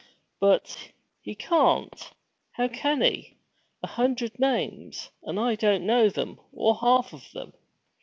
'But, he can't! How can he? A hundred names; and I don't know them, or half of them.'